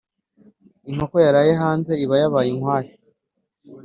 Inkoko yaraye hanze iba yabaye inkware.